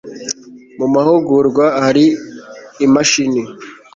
mu mahugurwa hari imashini